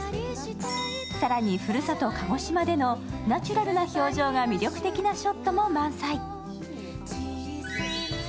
更に、ふるさと・鹿児島でのナチュラルな表情が魅力的なショットも満載。